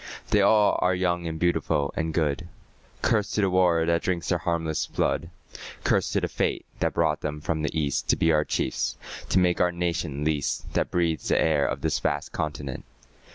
They all are young and beautiful and good; Curse to the war that drinks their harmless blood. Curse to the fate that brought them from the East To be our chiefs to make our nation least That breathes the air of this vast continent.